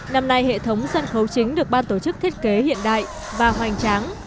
năm nay hệ thống sân khấu chính được ban tổ chức thiết kế hiện đại và hoành tráng